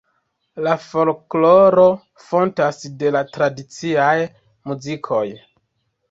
La folkloro fontas de la tradiciaj muzikoj.